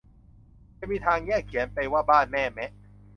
จะมีทางแยกเขียนว่าไปบ้านแม่แมะ